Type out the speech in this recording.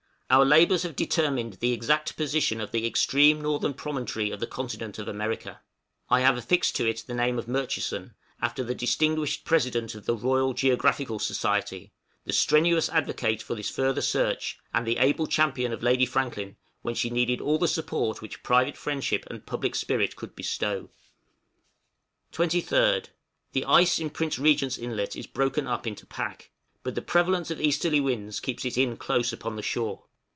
Our labors have determined the exact position of the extreme northern promontory of the continent of America; I have affixed to it the name of Murchison, after the distinguished President of the Royal Geographical Society the strenuous advocate for this "further search" and the able champion of Lady Franklin when she needed all the support which private friendship and public spirit could bestow. [Illustration: Walruses A Family Party.] {DEARTH OF ANIMAL LIFE.} 23rd. The ice in Prince Regent's Inlet is broken up into pack, but the prevalence of easterly winds keeps it in close upon the shore.